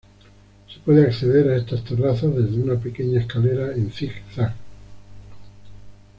Se puede acceder a estas terrazas desde una pequeña escalera en zig-zag.